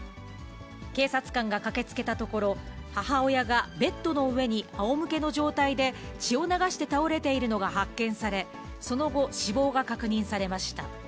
警察官が駆けつけたところ、母親がベッドの上にあおむけの状態で、血を流して倒れているのが発見され、その後、死亡が確認されました。